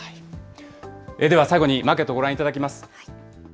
では最後にマーケットをご覧いただきます。